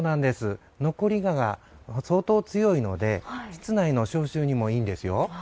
残り香が相当強いので室内の消臭にもいいんですよ。